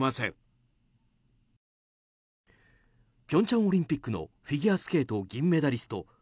平昌オリンピックのフィギュアスケート銀メダリスト